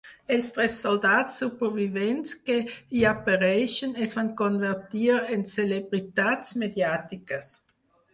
Els tres soldats supervivents que hi apareixen es van convertir en celebritats mediàtiques.